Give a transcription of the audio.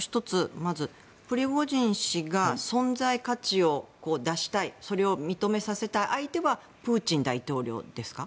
まずプリゴジン氏が存在価値を出したいそれを認めさせた相手はプーチン大統領ですか？